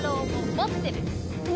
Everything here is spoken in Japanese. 持ってる？